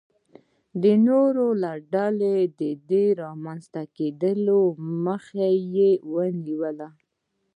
د نورو ډلو د رامنځته کېدو مخه یې ونیوله.